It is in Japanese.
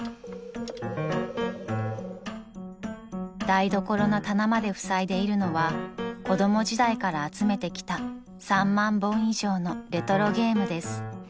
［台所の棚までふさいでいるのは子供時代から集めてきた３万本以上のレトロゲームです］